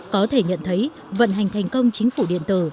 có thể nhận thấy vận hành thành công chính phủ điện tử